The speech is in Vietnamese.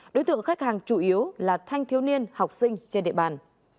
đối tượng khách hàng chủ yếu là thanh thiếu niên học sinh trên địa bàn